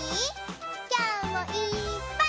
きょうもいっぱい。